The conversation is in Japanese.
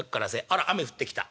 あら雨降ってきた。